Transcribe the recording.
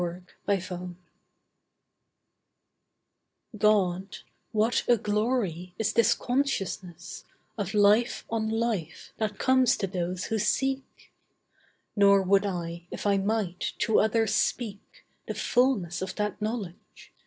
CONSCIOUSNESS God, what a glory, is this consciousness, Of life on life, that comes to those who seek! Nor would I, if I might, to others speak, The fulness of that knowledge.